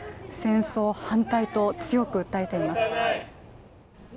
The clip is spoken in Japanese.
戦争反対と、強く訴えています。